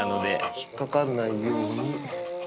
引っ掛かんないように。